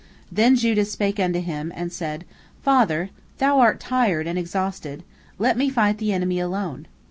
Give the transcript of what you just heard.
Then Judah spake to him, and said, "Father, thou art tired and exhausted, let me fight the enemy alone."